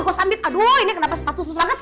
oh gua sambit aduh ini kenapa sepatu susah banget